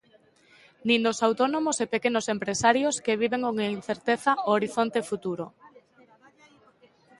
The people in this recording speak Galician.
Nin dos autónomos e pequenos empresarios que viven con incerteza o horizonte futuro.